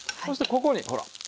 そしてここにほら。